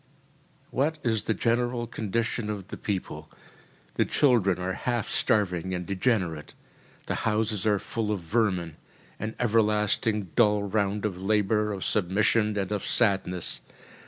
What is the general condition of the people: the children are half starving and degenerate; the houses are full of vermin; an everlasting dull round of labour, of submission, and of sadness.